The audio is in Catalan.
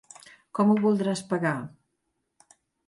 Com ho voldràs pagar?